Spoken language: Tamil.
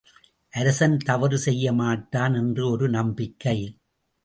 அரசன் தவறு செய்யமாட்டான் என்ற ஒரு நம்பிக்கை.